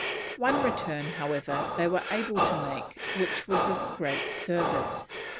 One return, however, they were able to make which was of great service.